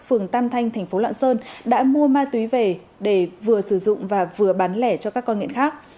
phường tam thanh thành phố lạng sơn đã mua ma túy về để vừa sử dụng và vừa bán lẻ cho các con nghiện khác